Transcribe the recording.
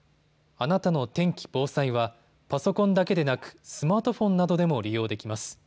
あなたの天気・防災はパソコンだけでなくスマートフォンなどでも利用できます。